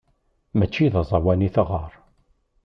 Mačči d aẓawan i teɣɣar.